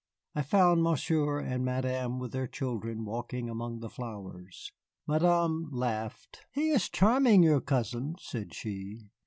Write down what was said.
I found Monsieur and Madame with their children walking among the flowers. Madame laughed. "He is charming, your cousin," said she.